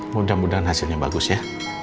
mudah mudahan hasilnya bagus ya